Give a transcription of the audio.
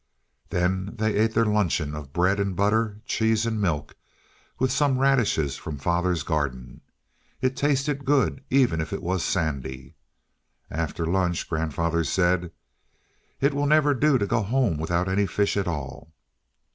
Then they ate their luncheon of bread and butter, cheese and milk, with some radishes from father's garden. It tasted good even if it was sandy. After lunch grandfather said: "It will never do to go home without any fish at all."